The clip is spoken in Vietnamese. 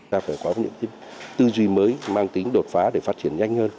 ta phải có những cái tư duy mới mang tính đột phá để phát triển nhanh hơn